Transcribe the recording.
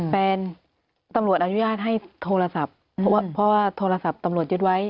ตำรวจอนุญาตให้โทรศัพท์เพราะว่าโทรศัพท์ตำรวจยึดไว้